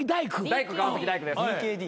大工川崎大工です。